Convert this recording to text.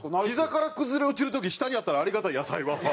「ひざから崩れ落ちる時下にあったらありがたい野菜は？」。